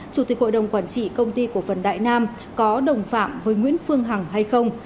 chủ tịch hội đồng quản trị công ty cổ phần đại nam có đồng phạm với nguyễn phương hằng hay không